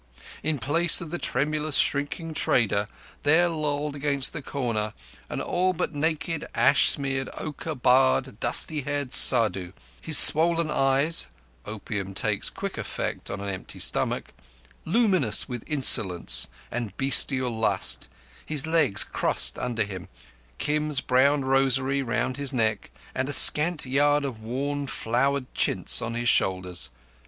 In place of the tremulous, shrinking trader there lolled against the corner an all but naked, ash smeared, ochre barred, dusty haired Saddhu, his swollen eyes—opium takes quick effect on an empty stomach—luminous with insolence and bestial lust, his legs crossed under him, Kim's brown rosary round his neck, and a scant yard of worn, flowered chintz on his shoulders.